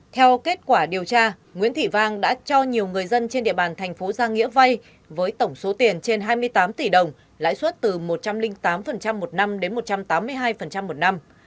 theo kết quả điều tra nguyễn thị vang đã cho nhiều người dân trên địa bàn thành phố giang nghĩa vay với tổng số tiền trên hai mươi tám tỷ đồng lãi suất từ một trăm linh tám một năm đến một trăm tám mươi hai một năm